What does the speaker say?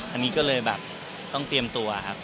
อันนี้ก็เลยแบบต้องเตรียมตัวครับ